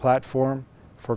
và thêm hơn